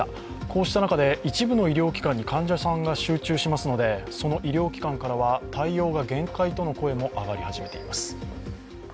こうした中で、一部の医療機関に患者さんが集中しますので、その医療機関からは対応が限界との声も上がり始めています。